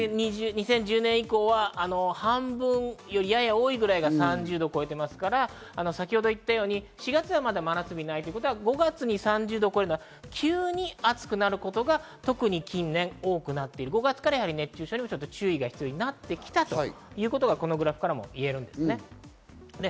２０１０年以降は半分よりやや多いくらいが３０度超えてますから先程言ったように、５月に３０度を超えるのは急に暑くなることが特に近年多くなって、５月から熱中症に注意が必要になってきたということがこのグラフからもわかります。